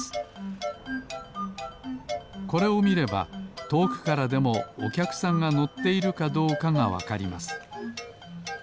これをみればとおくからでもおきゃくさんがのっているかどうかがわかります。